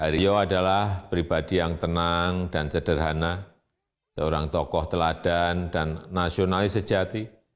rio adalah pribadi yang tenang dan sederhana seorang tokoh teladan dan nasionalis sejati